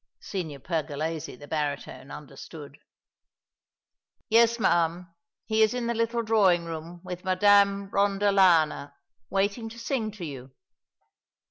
Signor Pergolesi, the baritone, understood. "Yes, ma'am, he is in the little drawing room with Madame Rondolana, waiting to sing to you!"